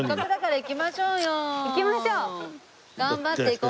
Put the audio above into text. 行きましょう！頑張って行こう。